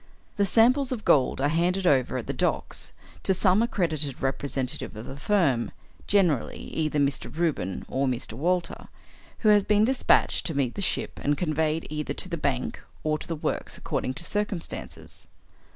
The samples of gold are handed over at the docks to some accredited representative of the firm generally either Mr. Reuben or Mr. Walter who has been despatched to meet the ship, and conveyed either to the bank or to the works according to circumstances.